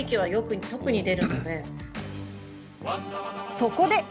そこで。